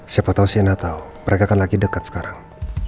siapa tau si ena tau mereka kan lagi dekat sekarang